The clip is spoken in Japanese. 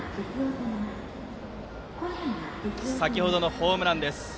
先程のホームランです。